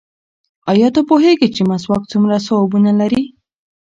ایا ته پوهېږې چې مسواک څومره ثوابونه لري؟